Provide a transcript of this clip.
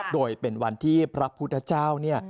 โดยเป็นวันที่พระพุทธเจ้าเนี่ย